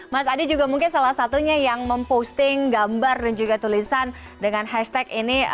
mas adi juga mungkin salah satunya yang memposting gambar dan juga tulisan dengan hashtag ini